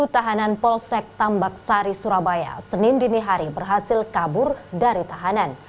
tujuh tahanan polsek tambak sari surabaya senin dinihari berhasil kabur dari tahanan